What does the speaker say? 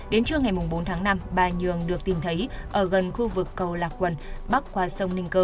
đến trưa ngày bốn tháng năm bà nhường được tìm thấy ở gần khu vực cầu lạc quần